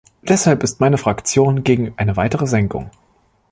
Deshalb ist meine Fraktion gegen eine weitere Senkung.